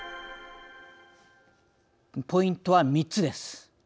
ポイントは３つです。